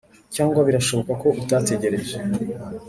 cyangwa birashoboka ko utategereje: